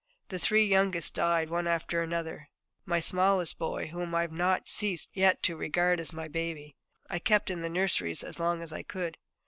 The three youngest died one after another: my smallest boy, whom I have not ceased yet to regard as my baby, I kept in the nurseries as long as I could.